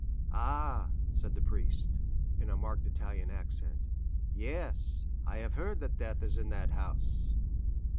"Ah," said the priest, in a marked Italian accent; "yes, I have heard that death is in that house."